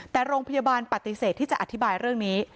แต่โรงพยาบาลปฏิเสธที่จะอธิบายเรื่องนี้